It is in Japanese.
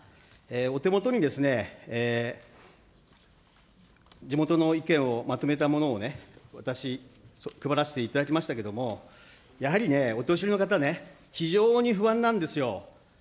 お手元に地元の意見をまとめたものを私、配らせていただきましたけれども、やはりね、お年寄りの方ね、非常に不安なんですよ。